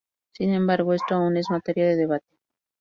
Sin embargo esto aún es materia de debate.